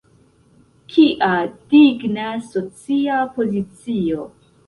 Kia digna socia pozicio!